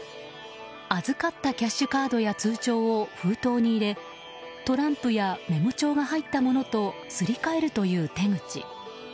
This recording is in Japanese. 預かったキャッシュカードや通帳を封筒に入れトランプやメモ帳が入ったものとすり替えるという手口。